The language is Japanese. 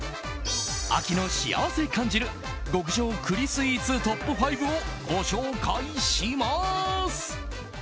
秋の幸せ感じる極上栗スイーツトップ５をご紹介します！